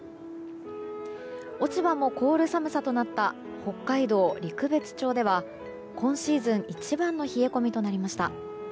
落ち葉も凍る寒さとなった北海道陸別町では今シーズン一番の冷え込みとなりました。